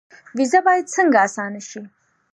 ویزه باید څنګه اسانه شي؟